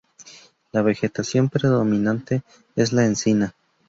La vegetación predominante es la encina.